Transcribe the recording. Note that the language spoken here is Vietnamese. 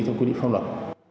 theo quy định pháp luật